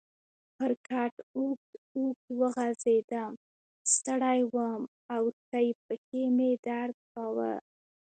پر کټ اوږد اوږد وغځېدم، ستړی وم او ښۍ پښې مې درد کاوه.